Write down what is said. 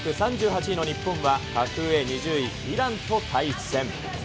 世界ランク３８位の日本は、格上、２０位、イランと対戦。